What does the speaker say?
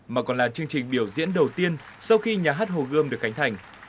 mà còn là chương trình biểu diễn đầu tiên sau khi nhà hát hồ gươm được cánh thành